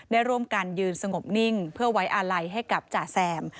ได้ร่วมกันยืนสงบนิ่งเพื่อไว้อาลัยให้กับจ่าแซม